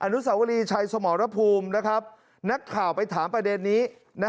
นุสาวรีชัยสมรภูมินักข่าวไปถามประเด็นนี้